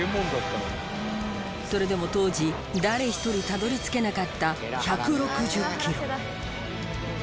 それでも当時誰一人たどり着けなかった１６０キロ。